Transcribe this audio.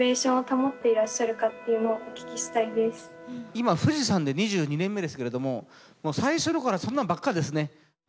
今富士山で２２年目ですけれどももう最初の頃はそんなんばっかですね。